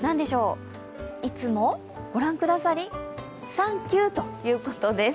いつもご覧くださり、サンキューということです。